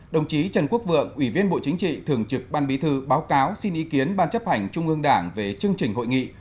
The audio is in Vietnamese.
đồng chí trần quốc vượng ủy viên bộ chính trị thường trực ban bí thư báo cáo xin ý kiến ban chấp hành trung ương đảng về chương trình hội nghị